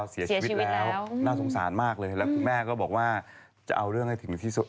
เสียชีวิตแล้วน่าสงสารมากเลยแล้วคุณแม่ก็บอกว่าจะเอาเรื่องให้ถึงที่สุด